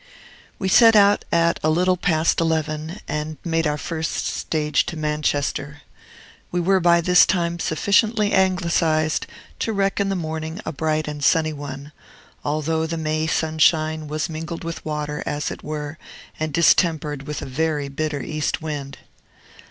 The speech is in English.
We set out at a little past eleven, and made our first stage to Manchester. We were by this time sufficiently Anglicized to reckon the morning a bright and sunny one; although the May sunshine was mingled with water, as it were, and distempered with a very bitter east wind.